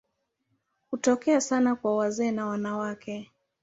Hutokea sana kwa wazee na wanawake.